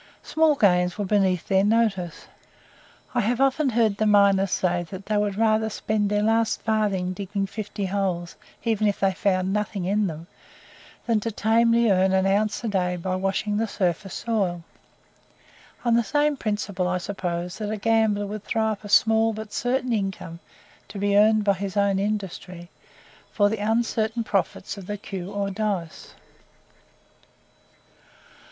Small gains were beneath their notice. I have often heard the miners say that they would rather spend their last farthing digging fifty holes, even if they found nothing in them, than "tamely" earn an ounce a day by washing the surface soil; on the same principle, I suppose, that a gambler would throw up a small but certain income to be earned by his own industry, for the uncertain profits of the cue or dice.